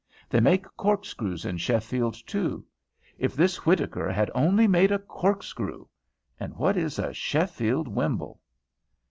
They make corkscrews in Sheffield too. If this Whittaker had only made a corkscrew! And what is a "Sheffield wimble"?